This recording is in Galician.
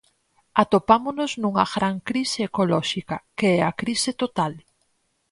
Atopámonos nunha gran crise ecolóxica, que é a crise total.